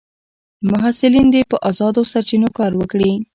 محصلین دي په ازادو سرچینو کار وکړي.